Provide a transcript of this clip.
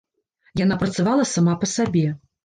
Яна працавала сама па сабе.